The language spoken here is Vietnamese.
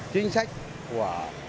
chính sách của